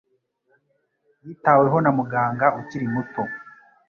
Yitaweho na muganga ukiri muto.